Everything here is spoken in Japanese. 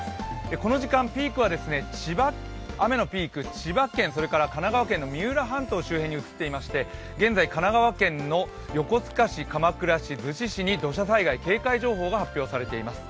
この時間、雨のピークは千葉県神奈川県の三浦半島を周辺に降っていまして、現在、神奈川県の横須賀市、鎌倉市、逗子市に土砂災害警戒情報が発表されています。